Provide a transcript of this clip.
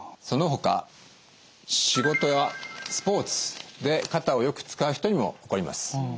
そのほか仕事やスポーツで肩をよく使う人にも起こります。